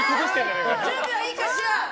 準備はいいかしら？